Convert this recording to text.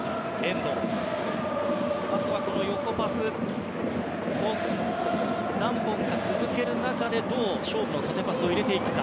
あとは横パスを何本か続ける中でどう勝負の縦パスを入れていくか。